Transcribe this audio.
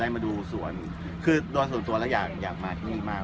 ได้มาดูสวนคือโดยส่วนตัวเราอยากมาที่นี่มา